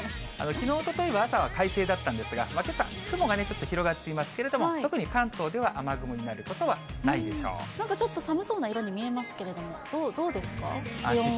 きのう、おとといは朝は快晴だったんですが、けさ、雲がちょっと広がっていますけれども、特に関東では雨雲になることはないでしなんかちょっと寒そうな色に見えますけども、どうですか？